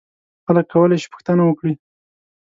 خلک کولای شي پوښتنه وکړي.